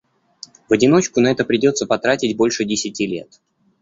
В одиночку на это придётся потратить больше десяти лет.